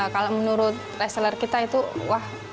kalau menurut reseller kita itu wah